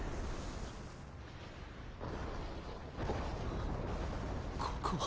あぁここは？